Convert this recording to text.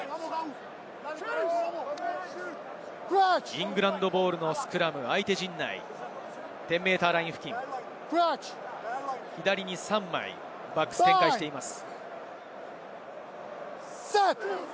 イングランドボールのスクラム、相手陣内、１０ｍライン付近、左に３枚、バックスに展開しています。